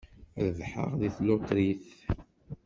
Rebḥeɣ deg tlutrit.